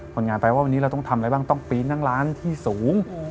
คนงานไปว่าวันนี้เราต้องทำอะไรบ้างต้องปีนทั้งร้านที่สูง